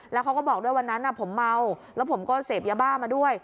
แล้วเขาก็บอกด้วยวันนั้นผมเมาแล้วผมก็เสพยาบ้ามาด้วย